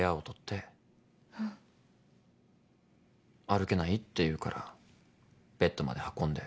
歩けないって言うからベッドまで運んで。